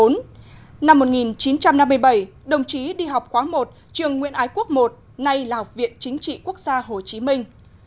năm một nghìn chín trăm năm mươi bảy đồng chí đi học khóa một trường nguyễn ái quốc i nay là học viện chính trị quốc gia hồ chí minh